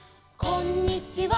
「こんにちは」